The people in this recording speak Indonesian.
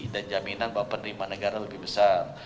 dan jaminan bahwa penerimaan negara lebih besar